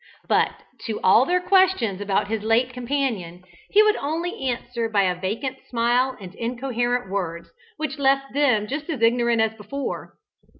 344] But to all their questions about his late companion he could only answer by a vacant smile and incoherent words, which left them as ignorant as before.